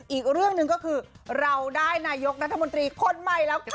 อีกเรื่องหนึ่งก็คือเราได้นายกรัฐมนตรีคนใหม่แล้วค่ะ